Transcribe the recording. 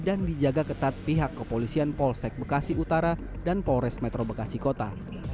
dan dijaga ketat pihak kepolisian polsek bekasi utara dan polres metro bekasi kota